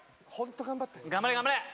頑張れ、頑張れ。